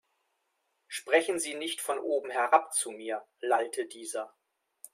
Sprechen Sie nicht von oben herab zu mir, lallte dieser.